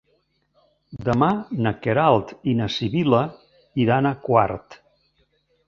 Demà na Queralt i na Sibil·la iran a Quart.